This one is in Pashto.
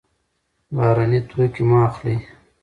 بهرني توکي مه اخلئ.